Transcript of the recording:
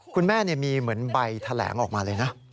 คุณแม่มีเหมือนใบแถลงออกมาเลยนะ